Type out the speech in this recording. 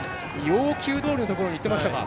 要求どおりのところにいってましたか。